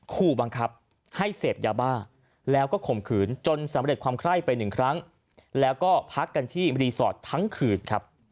ขู่บังคับให้เสพยาบ้าแล้วก็ข่มขืนจนสำเร็จความไคร้ไปหนึ่งครั้งแล้วก็พักกันที่รีสอร์ททั้งคืนครับ